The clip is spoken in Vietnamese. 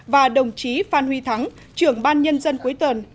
và đồng chí phan huy thắng trưởng ban nhân dân cuối tuần